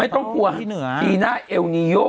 ต้องกลัวปีหน้าเอลนีโย